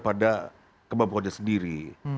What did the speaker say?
pada kebapakannya sendiri